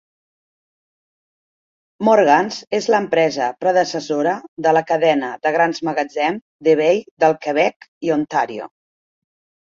Morgan's és l'empresa predecessora de la cadena de grans magatzems The Bay del Quebec i Ontario.